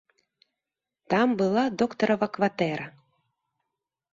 Там была доктарава кватэра.